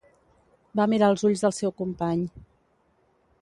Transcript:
Va mirar als ulls del seu company.